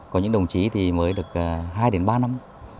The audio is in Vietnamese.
có những đồng chí thì mới được hai đến ba năm